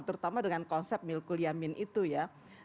terutama dengan konsep mil kuliamin itu ya